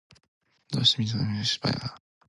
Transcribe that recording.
どうして海の水はしょっぱいのかな。